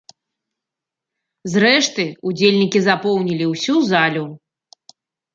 Зрэшты, удзельнікі запоўнілі ўсю залю.